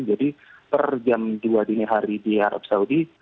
jadi per jam dua dini hari di arab saudi